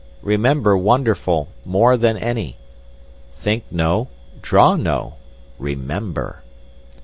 Remember wonderful more than any. Think no, draw no—remember.